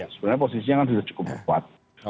sebenarnya posisinya kan sudah cukup kuat